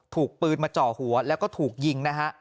ถูกปืนมาเจาะหัวแล้วก็ถูกยิงนะฮะ